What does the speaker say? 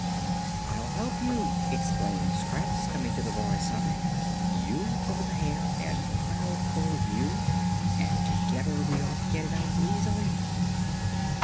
"I'll help you," exclaimed Scraps, coming to the boy's side. "You pull the hair, and I'll pull you, and together we ought to get it out easily."